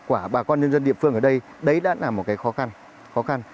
của bà con nhân dân địa phương ở đây đấy đã là một cái khó khăn khó khăn